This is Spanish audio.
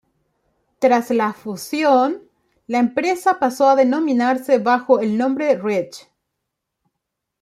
Tras la fusión, la empresa pasó a denominarse bajo el nombre Reach.